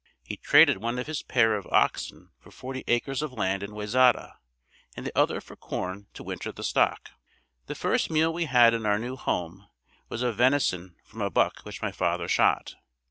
He traded one of his pair of oxen for forty acres of land in Wayzata and the other for corn to winter the stock. The first meal we had in our new home was of venison from a buck which my father shot.